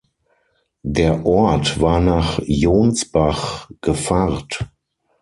Der Ort war nach Johnsbach gepfarrt.